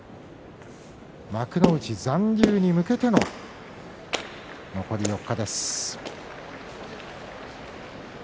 幕内残留に向けての残り４日です。